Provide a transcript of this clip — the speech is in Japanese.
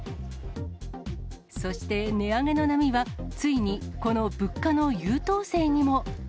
そして、値上げの波は、ついにこの物価の優等生にも。